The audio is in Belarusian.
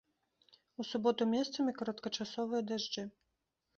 У суботу месцамі кароткачасовыя дажджы.